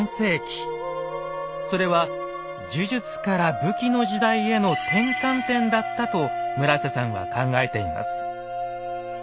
それは呪術から武器の時代への転換点だったと村さんは考えています。